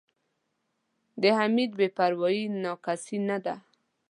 د حمید بې پروایي نا کسۍ نه ده.